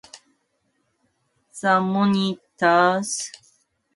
The monitor displays text characters and graphics.